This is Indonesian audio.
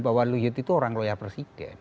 bahwa luhut itu orang loyal presiden